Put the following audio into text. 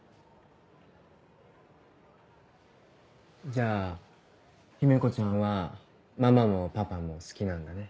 じゃあ姫子ちゃんはママもパパも好きなんだね。